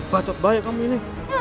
bacot baik kami ini